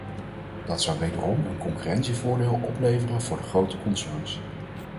Dat zou wederom een concurrentievoordeel opleveren voor de grote concerns.